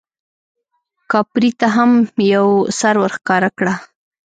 کاپري ته هم یو سر ورښکاره کړه.